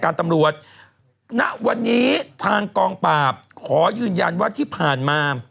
ตำรวจณวันนี้ทางกองปราบขอยืนยันว่าที่ผ่านมา